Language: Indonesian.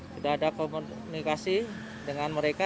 sudah ada komunikasi dengan mereka